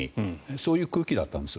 そういう空気だったんです。